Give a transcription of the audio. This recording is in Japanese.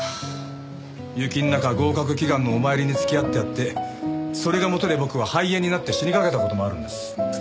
雪の中合格祈願のお参りに付き合ってやってそれがもとで僕は肺炎になって死にかけた事もあるんです。